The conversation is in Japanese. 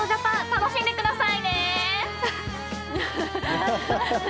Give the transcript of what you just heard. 楽しんでください。